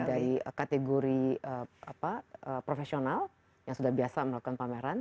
dari kategori profesional yang sudah biasa melakukan pameran